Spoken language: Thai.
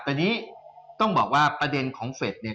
แต่นี้ต้องบอกว่าประเด็นของเฟสเนี่ย